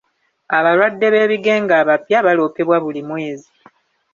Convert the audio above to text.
Abalwadde b'ebigenge abapya baloopebwa buli mwezi.